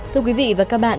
thưa quý vị và các bạn